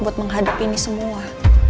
buat menghadapi ini semua